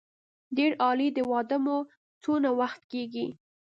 ډېر عالي د واده مو څونه وخت کېږي.